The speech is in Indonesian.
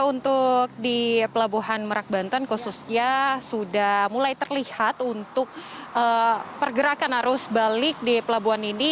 untuk di pelabuhan merak banten khususnya sudah mulai terlihat untuk pergerakan arus balik di pelabuhan ini